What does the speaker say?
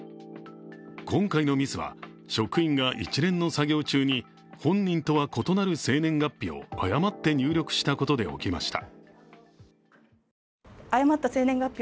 今回のミスは、職員が一連の作業中に本人とは異なる生年月日を誤って入力したことで起きました。